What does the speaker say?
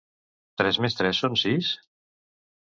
Tres més tres són sis?